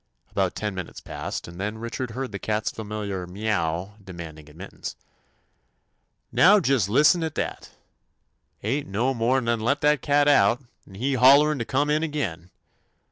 About ten minutes passed, and then Richard heard the cat's familiar "Meow" de manding admittance. "Now jist listen at dat! Ain't no mo' 'n let dat cat out, 'n he hollerin' ter come in again.